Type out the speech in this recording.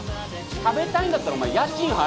食べたいんだったらお前家賃払え！